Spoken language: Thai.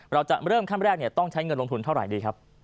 เราจะเริ่มขั้นแรกต้องใช้เงินลงทุนเท่าไหร่ดีครับ